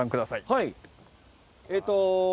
はい。